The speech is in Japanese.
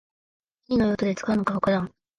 何の用途で使うのかわからん